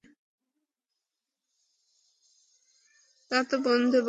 তা তো বন্ধ্যাই বটে।